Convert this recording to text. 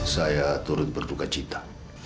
saya turut berduka cita